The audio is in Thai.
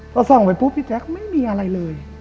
พอส่องไปปุ๊บพี่แจ๊คไม่มีอะไรเลย